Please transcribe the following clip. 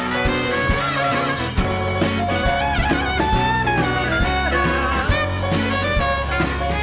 ทดชอบนะครับ